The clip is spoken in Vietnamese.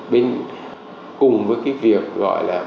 cùng với cái việc gọi là